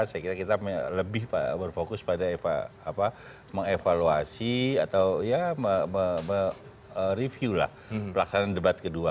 saya kira kita lebih berfokus pada mengevaluasi atau ya mereview lah pelaksanaan debat kedua